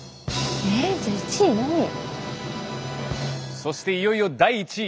そしていよいよ第１位。